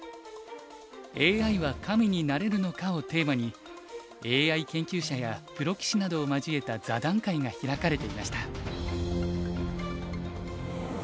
「ＡＩは神になれるのか？」をテーマにＡＩ研究者やプロ棋士などを交えた座談会が開かれていました。